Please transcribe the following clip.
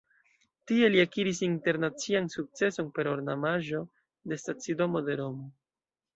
Tie li akiris internacian sukceson per ornamaĵo de stacidomo de Romo.